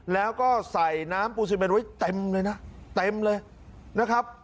แล้วก็ใส่น้ำปูซีเมนไว้เต็มเลยนะเต็มเลยนะครับ